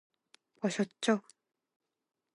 보셨죠?